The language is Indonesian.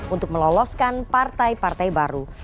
untuk meloloskan partai partai baru